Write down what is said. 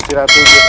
tidak ada masalah